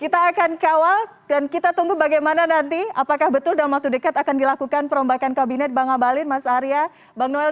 kita akan kawal dan kita tunggu bagaimana nanti apakah betul dalam waktu dekat akan dilakukan perombakan kabinet bang abalin mas arya bang noel